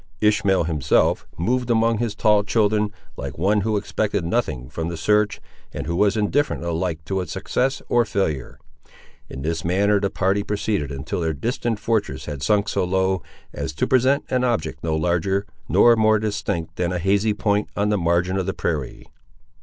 Ishmael, himself, moved among his tall children, like one who expected nothing from the search, and who was indifferent alike to its success or failure. In this manner the party proceeded until their distant fortress had sunk so low, as to present an object no larger nor more distinct than a hazy point, on the margin of the prairie.